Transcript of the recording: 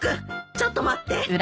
ちょっと待って。